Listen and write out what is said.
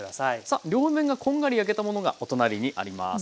さあ両面がこんがり焼けたものがお隣にあります。